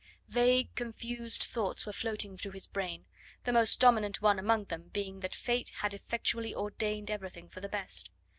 Vague, confused thoughts were floating through his brain, the most dominant one among them being that Fate had effectually ordained everything for the best.